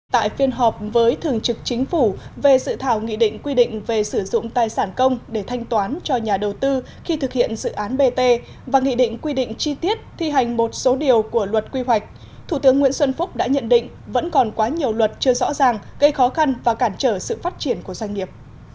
tại phiên họp với thường trực chính phủ về dự thảo nghị định quy định về sử dụng tài sản công để thanh toán cho nhà đầu tư khi thực hiện dự án bt và nghị định quy định chi tiết thi hành một số điều của luật quy hoạch thủ tướng nguyễn xuân phúc đã nhận định vẫn còn quá nhiều luật chưa rõ ràng gây khó khăn và cản trở sự phát triển của doanh nghiệp